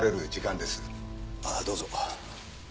まあどうぞ。